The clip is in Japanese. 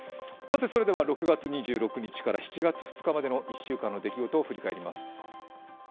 ６月２６日から７月２日までの１週間の出来事を振り返ります。